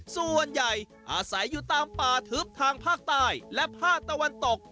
ส่วนใหญ่อาศัยอยู่ตามป่าทึบทางภาคใต้และภาคตะวันตก